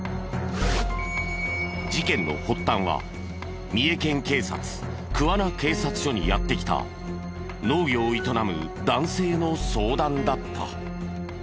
事件の発端は三重県警察桑名警察署にやって来た農業を営む男性の相談だった。